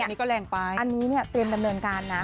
อันนี้ก็แรงไปอันนี้เนี่ยเตรียมดำเนินการนะ